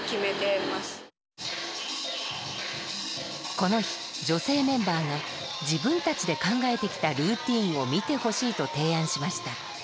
この日女性メンバーが自分たちで考えてきたルーティーンを見てほしいと提案しました。